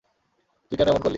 তুই কেন এমন করলি?